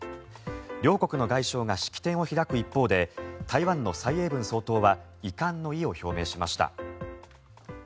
両国の外相が式典を開く一方で台湾の蔡英文総統は遺憾の意を表明しました。